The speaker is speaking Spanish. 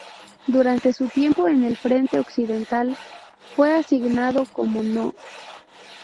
Durante su tiempo en el Frente Occidental, fue asignado como No.